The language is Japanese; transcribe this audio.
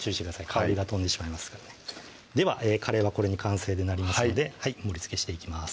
香りが飛んでしまいますからねではカレーはこれで完成になりますので盛りつけしていきます